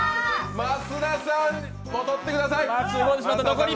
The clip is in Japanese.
増田さん、戻ってください。